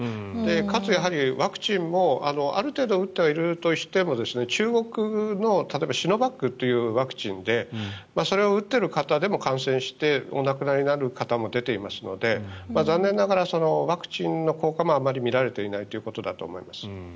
かつ、ワクチンもある程度打ってはいるとしても中国の例えばシノバックというワクチンでそれを打っている方でも感染してお亡くなりになる方も出ていますので残念ながらワクチンの効果もあまり見られていないということだと思います。